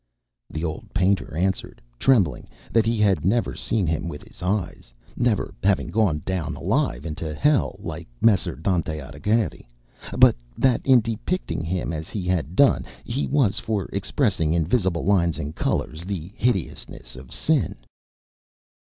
The old painter answered, trembling, that he had never seen him with his eyes, never having gone down alive into Hell, like Messer Dante Alighieri; but that, in depicting him as he had done, he was for expressing in visible lines and colours the hideousness of sin.